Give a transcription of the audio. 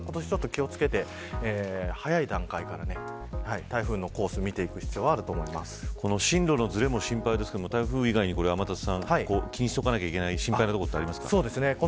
今年は気を付けて早い段階から台風のコースを進路のずれも心配ですが台風以外に気にしておかないといけない心配なこと、ありますか。